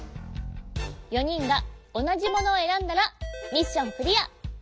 ４にんがおなじものをえらんだらミッションクリア！